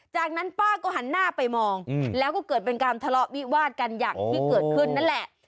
จากนั้นป้าก็หันหน้าไปมองแล้วก็เกิดเป็นการทะเลาะวิวาดกันอย่างที่เกิดขึ้นนั่นแหละ